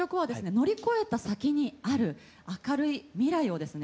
乗り越えた先にある明るい未来をですね